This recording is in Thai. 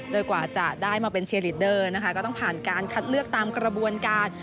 โดยกว่าจะได้มาเป็นเชียร์ลีดเดอร์นะคะก็ต้องผ่านการคัดเลือกตามกระบวนการ